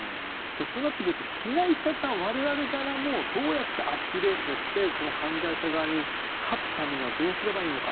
そうなってくると被害者側、我々側もどうやってアップデートしてこの犯罪者側に勝つためにはどうすればいいのか。